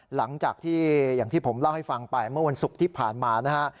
หลังจากที่อย่างที่ผมเล่าให้ฟังไปเมื่อวันศุกร์ที่ผ่านมานะฮะ